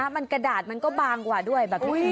มันกระดาษมันก็บางกว่าด้วย